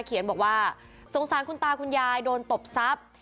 เขียนบอกว่าสงสารคุณตาคุณยายโดนตบทรัพย์